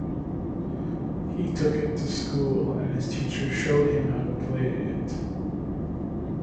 He took it to school and his teacher showed him how to play it.